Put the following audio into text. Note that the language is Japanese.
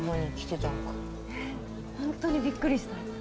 ねっ本当にびっくりした。